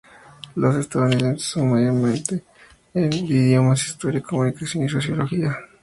Los estudiantes son mayormente de idiomas, historia, comunicación y sociología.